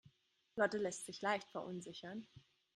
Lotte lässt sich leicht verunsichern.